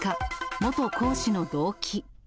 元講師の動機。